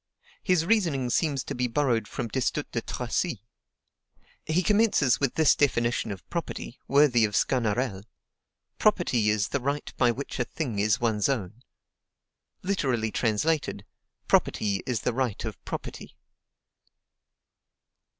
His reasoning seems to be borrowed from Destutt de Tracy. He commences with this definition of property, worthy of Sganarelle: "Property is the right by which a thing is one's own." Literally translated: Property is the right of property.